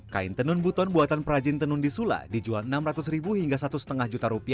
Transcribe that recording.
kain tenun buton buatan perajin tenun di sula dijual rp enam ratus hingga rp satu lima juta